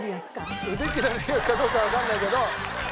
切られる役かどうかはわかんないけど。